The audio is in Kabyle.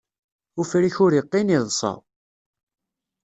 Ufrik ur iqqin, iḍsa.